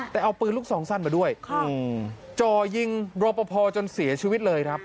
แต่เอาปืนลูกซองสั้นมาด้วยจ่อยิงรอปภจนเสียชีวิตเลยครับ